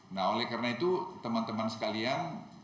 nah oleh karena itu teman teman sekalian